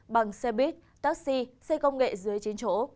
bằng xe buýt taxi xe công nghệ dưới chín chỗ